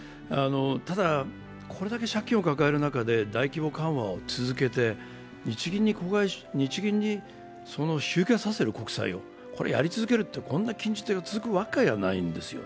ただ、これだけ借金を抱える中で大規模緩和を続けて日銀に集金をさせる、やり続けるって、こんな禁じ手が続くわけないんですよ。